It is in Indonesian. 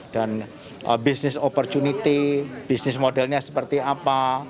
dan business opportunity business modelnya seperti apa